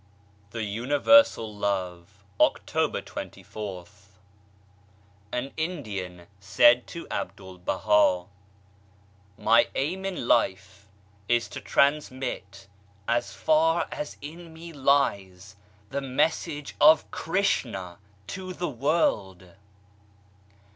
THE UNIVERSAL LOVE October A N Indian said to Abdul Baha :^" My aim in life is to transmit as far as in me lies the Message of Krishna to the world."